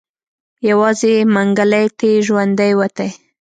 يوازې منګلی تې ژوندی وتی.